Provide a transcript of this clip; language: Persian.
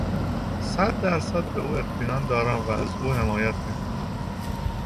صد در صد به او اطمینان دارم و از او حمایت میکنم.